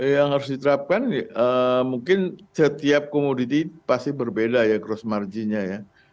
yang harus diterapkan mungkin setiap komoditi pasti berbeda ya cross margin nya ya